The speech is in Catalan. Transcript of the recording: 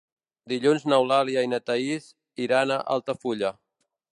Dilluns n'Eulàlia i na Thaís iran a Altafulla.